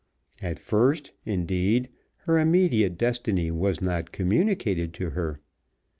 At first, indeed, her immediate destiny was not communicated to her.